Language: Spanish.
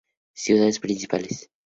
Ciudades principales